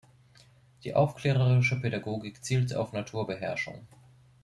Die aufklärerische Pädagogik zielte auf Naturbeherrschung.